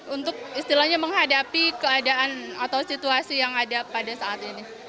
untuk istilahnya menghadapi keadaan atau situasi yang ada pada saat ini